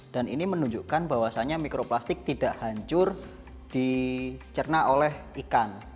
dan ini menunjukkan bahwasanya mikroplastik tidak hancur dicerna oleh ikan